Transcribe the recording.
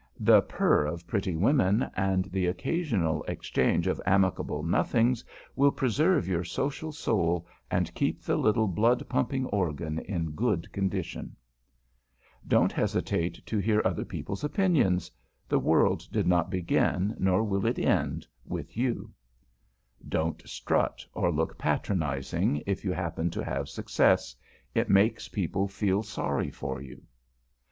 The purr of pretty women and the occasional exchange of amicable nothings will preserve your social soul and keep the little blood pumping organ in good condition. [Sidenote: THE ART OF SHUTTING UP] Don't hesitate to hear other people's opinions. The World did not begin, nor will it end, with you. [Sidenote: WHERE SUCCESS FAILS] Don't strut or look patronizing, if you happen to have success; it makes people feel sorry for you.